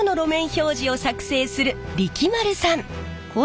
標示を作成する力丸さん。